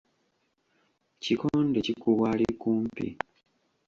Kikonde kikubwa ali kumpi.